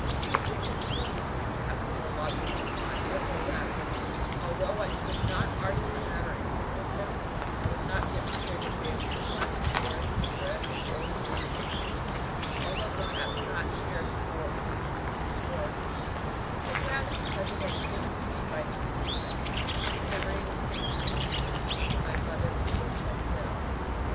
His conclusions were perhaps more logical than mine; nevertheless, although I could not argue the matter any more with him, I was not yet prepared to abandon this last cherished shred of old beliefs, although perhaps not cherished for its intrinsic worth, but rather because it had been given to me by a sweet woman whose memory was sacred to my heart my mother before Chastel.